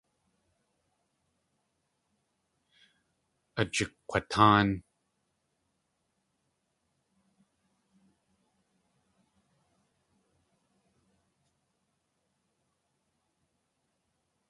Ajikg̲watáan.